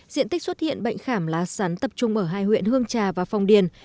diện tích xuất hiện bệnh khảm lá sắn tập trung ở hai huyện hương trà và phong điền